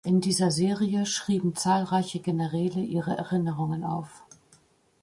In dieser Serie schrieben zahlreiche Generäle ihre Erinnerungen auf.